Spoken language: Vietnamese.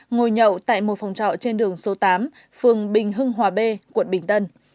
ngồi nhậu tại một phòng trọ trên đường số tám phường bình hưng hòa b quận bình tân